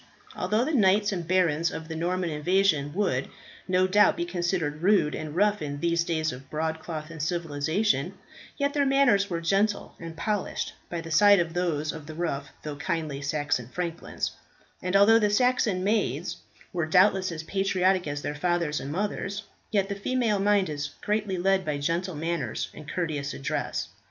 Although the knights and barons of the Norman invasion would, no doubt, be considered rude and rough in these days of broadcloth and civilization, yet their manners were gentle and polished by the side of those of the rough though kindly Saxon franklins; and although the Saxon maids were doubtless as patriotic as their fathers and mothers, yet the female mind is greatly led by gentle manners and courteous address.